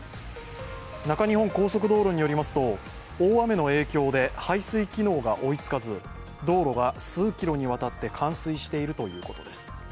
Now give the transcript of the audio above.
中日本高速道路によりますと大雨の影響で排水機能が追いつかず道路が数キロにわたって冠水しているということです。